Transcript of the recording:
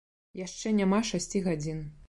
Яшчэ няма шасці гадзін.